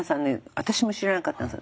私も知らなかったんですが